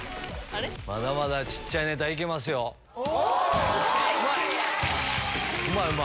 まだまだちっちゃいネタいけおー、すごい。